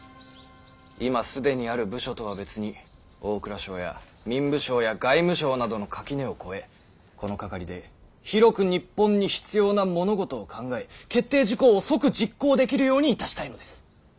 今既にある部署とは別に大蔵省や民部省や外務省などの垣根を越えこの掛で広く日本に必要な物事を考え決定事項を即実行できるようにいたしたいのです。